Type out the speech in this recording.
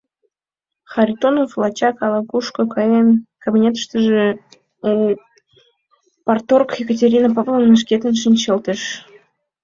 Харитонов лачак ала-кушко каен, кабинетыштыже у парторг Екатерина Павловна шкетын шинчылтеш.